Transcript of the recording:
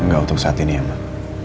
enggak untuk saat ini ya mbak